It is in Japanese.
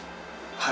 はい。